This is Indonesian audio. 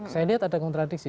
saya lihat ada kontradiksi